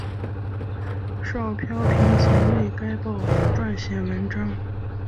邵飘萍曾为该报撰写文章。